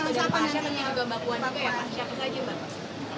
atau dari pak asyar atau dari bapak buwanto ya